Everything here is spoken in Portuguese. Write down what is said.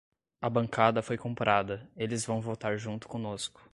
A bancada foi comprada, eles vão votar junto conosco